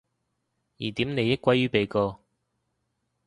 疑點利益歸於被告